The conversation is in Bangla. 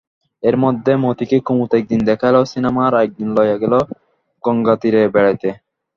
এর মধ্যে মতিকে কুমুদ একদিন দেখাইল সিনেমা আর একদিন লইয়া গেল গঙ্গাতীরে বেড়াইতে।